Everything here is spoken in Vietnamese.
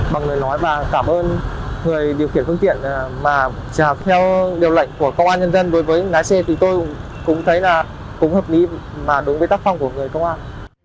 bằng lời nói và cảm ơn người điều khiển phương tiện mà chào theo điều lệnh của công an nhân dân đối với lái xe thì tôi cũng thấy là cũng hợp lý mà đúng với tác phong của người công an